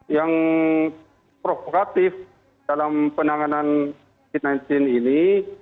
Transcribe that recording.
yang provokatif dalam penanganan divaksin ini